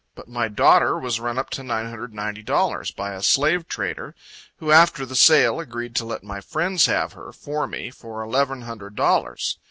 But my daughter was run up to $990, by a slave trader, who after the sale agreed to let my friends have her, for me, for eleven hundred dollars.